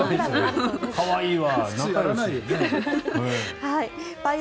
可愛いわ。